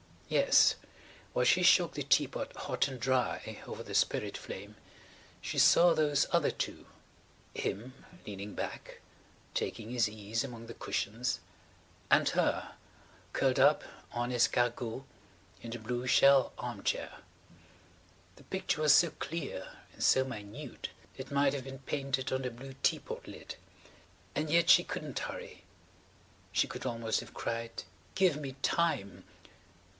Yes, while she shook the teapot hot and dry over the spirit flame she saw those other two, him, leaning back, taking his ease among the cushions, and her, [Page 147] curled up en escargot in the blue shell arm chair. The picture was so clear and so minute it might have been painted on the blue teapot lid. And yet she couldn't hurry. She could almost have cried: "Give me time."